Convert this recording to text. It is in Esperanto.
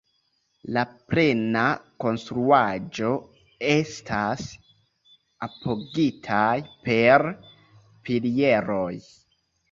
La plena konstruaĵo estas apogitaj per pilieroj.